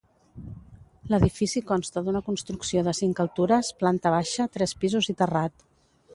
L'edifici consta d'una construcció de cinc altures, planta baixa, tres pisos i terrat.